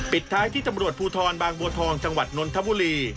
ปิดท้ายที่ตำรวจภูทรบางบัวทองจังหวัดนนทบุรี